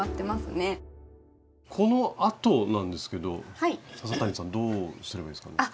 このあとなんですけど笹谷さんどうすればいいですか？